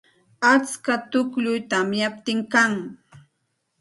Atska tukllum tamyaptin kan.